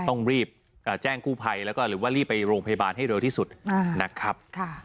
ต้องรีบแจ้งกู้ภัยแล้วก็หรือว่ารีบไปโรงพยาบาลให้เร็วที่สุดนะครับ